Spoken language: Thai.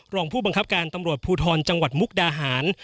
รองผู้บังคับการตำรวจภูทรจังหวัดมุกดาหาร